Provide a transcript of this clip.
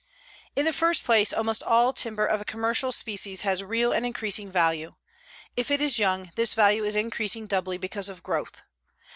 In the first place almost all timber of a commercial species has real and increasing value. If it is young, this value is increasing doubly because of growth.